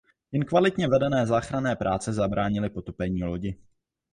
Jen kvalitně vedené záchranné práce zabránily potopení lodi.